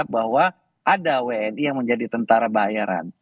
bahwa ada wni yang menjadi tentara bayaran